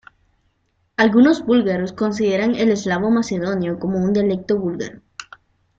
Algunos búlgaros consideran el eslavo macedonio como un dialecto búlgaro.